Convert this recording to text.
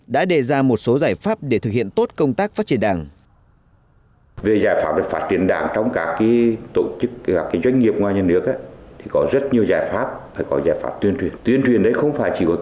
đã đề ra một số giải pháp để thực hiện tốt công tác phát triển đảng